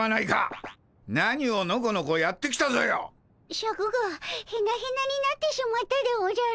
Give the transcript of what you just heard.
シャクがヘナヘナになってしまったでおじゃる。